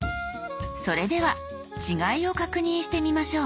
それでは違いを確認してみましょう。